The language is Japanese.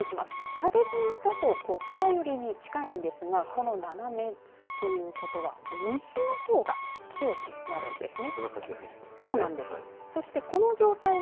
縦じまだと北寄りに近いんですが斜めということは、西の方が強くなるんですね。